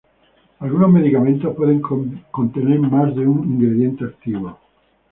Algunos medicamentos pueden contener más de un ingrediente activo.